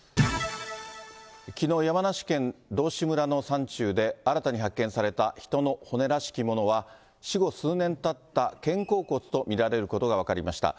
きのう、山梨県道志村の山中で、新たに発見された人の骨らしきものは、死後数年たった肩甲骨と見られることが分かりました。